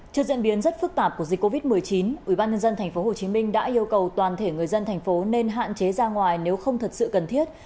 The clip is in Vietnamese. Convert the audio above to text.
trước diễn biến rất phức tạp của dịch covid một mươi chín ubnd tp hcm đã yêu cầu toàn thể người dân thành phố nên hạn chế ra ngoài nếu không thật sự cần thiết